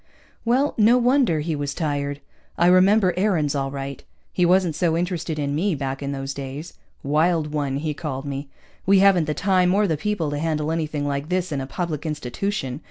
Well, no wonder he was tired. I remember Aarons all right. He wasn't so interested in me, back in those days. Wild one, he called me. _We haven't the time or the people to handle anything like this in a public institution.